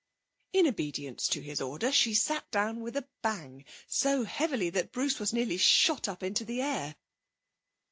In obedience to his order she sat down with a bang, so heavily that Bruce was nearly shot up into the air.